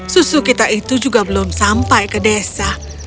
susu kita itu juga belum sampai ke desa